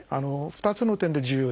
２つの点で重要です。